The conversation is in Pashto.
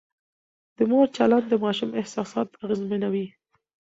د مور چلند د ماشوم احساسات اغېزمنوي.